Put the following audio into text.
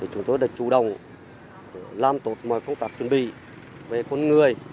chúng tôi đã chủ động làm tốt mọi phong tạp chuẩn bị về con người